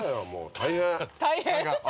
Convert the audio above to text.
大変。